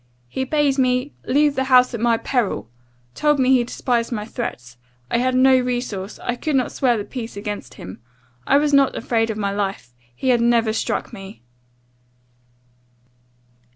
He bade me 'leave the house at my peril; told me he despised my threats; I had no resource; I could not swear the peace against him! I was not afraid of my life! he had never struck me!